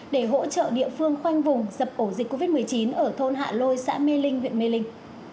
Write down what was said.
để hỗ trợ địa phương khoanh vùng dập ổ dịch covid một mươi chín ở thôn hạ lôi xã mê linh huyện mê linh